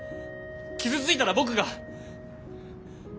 傷ついたら僕が。